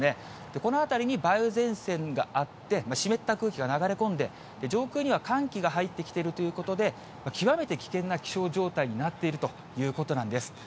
この辺りに梅雨前線があって、湿った空気が流れ込んで上空には寒気が入ってきているということで、極めて危険な気象状態になっているということなんです。